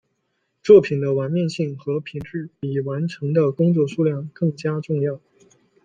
作品的完面性和品质比完成的工作数量更加重要。